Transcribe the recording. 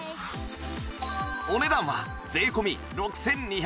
お値段は税込６２８０円